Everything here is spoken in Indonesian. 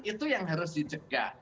itu yang harus dicegah